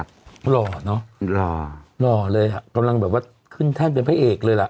หล่อเนอะหล่อหล่อเลยอ่ะกำลังแบบว่าขึ้นแท่นเป็นพระเอกเลยล่ะ